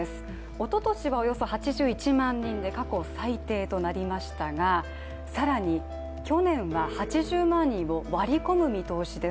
おととしはおよそ８１万人で過去最低となりましたが更に去年は８０万人を割り込む見通しです。